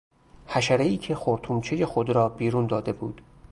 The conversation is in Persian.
حشرهای که خرطومچهی خود را بیرون داده بود